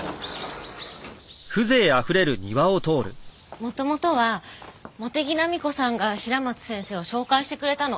元々は茂手木浪子さんが平松先生を紹介してくれたの。